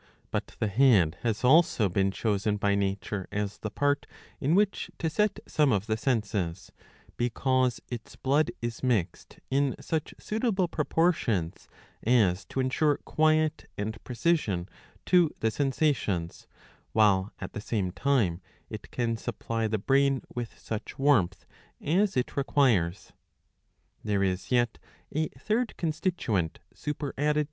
^ But the head has also been chosen by nature as the part in which to set some of the senses ; because its blood is mixed in such suitable proportions as to ensure quiet and precision to the sensations, while at the same time it can supply the brain with such warmth as it requires.* There is yet a third constituent superadded